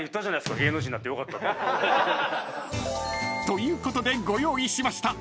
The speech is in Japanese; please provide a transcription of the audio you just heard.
［ということでご用意しました］